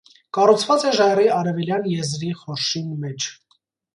Կառուցուած է ժայռի արեւելեան եզրի խորշին մէջ։